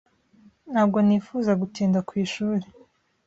Ntabwo nifuza gutinda ku ishuri.